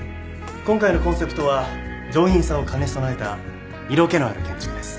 今回のコンセプトは上品さを兼ね備えた色気のある建築です。